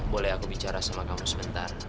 boleh aku bicara sama kamu sebentar